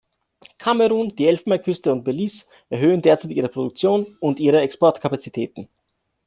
Kamerun, die Elfenbeinküste und Belize erhöhen derzeit ihre Produktion und ihre Exportkapazitäten.